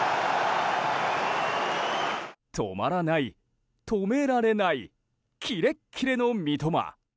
止まらない、止められないキレッキレの三笘。